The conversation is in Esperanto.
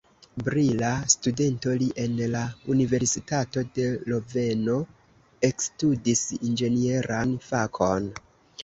Brila studento, li en la universitato de Loveno ekstudis inĝenieran fakon.